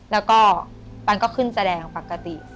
แล้วก็ปันก็ขึ้นแสดงปกติ